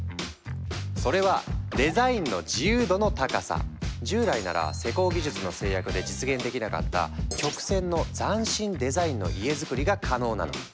それは従来なら施工技術の制約で実現できなかった曲線の斬新デザインの家づくりが可能なの！